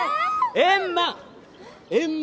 円満！